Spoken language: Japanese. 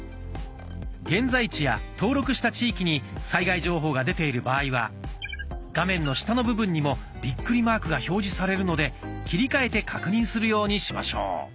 現在地や登録した地域に災害情報が出ている場合は画面の下の部分にもビックリマークが表示されるので切り替えて確認するようにしましょう。